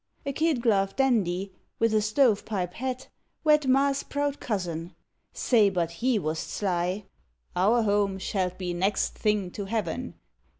A kid gloved dandy with a stove pipe hat Wed ma s proud cousin. Say, but he wast sly! " Our home shalt be next thing to Heaven!